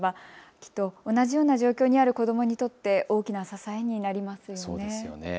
きっと同じような状況にある子どもにとって大きな支えになりますよね。